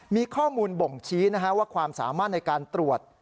มีข้อมูลบ่งชี้ว่าความสามารถในการตรวจ